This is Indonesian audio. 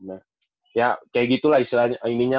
ya kayak gitu lah istilahnya